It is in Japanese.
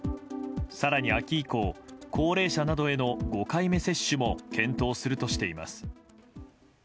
更に秋以降高齢者などへの５回目接種も検討するとしています。